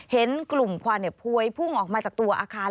เห็นกลุ่มควันพวยพุ่งออกมาจากตัวอาคาร